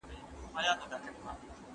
بې تاريخه قوم مړ وي.